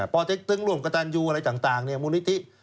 พอเติ๊กตึงล่วมกระตาลยูอะไรต่างม้วนิธิ